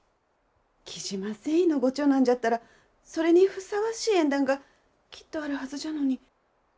雉真繊維のご長男じゃったらそれにふさわしい縁談がきっとあるはずじゃのに。